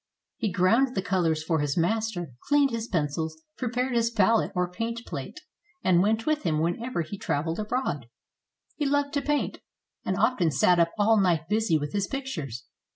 He ground the colors for his master, cleaned his pencils, pre pared his palette or paint plate, and went with him whenever he traveled abroad. He loved to paint, and often sat up all night busy with his pictures.